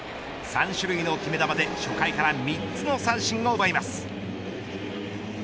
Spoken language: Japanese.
３種類の決め球で初回から３つの三振を奪います。